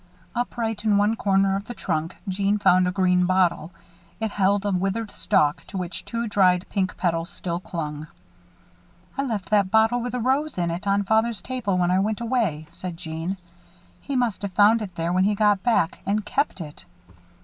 Upright in one corner of the trunk, Jeanne found a green bottle. It held a withered stalk to which two dried pink petals still clung. "I left that bottle with a rose in it on father's table when I went away," said Jeanne. "He must have found it there when he got back and kept it.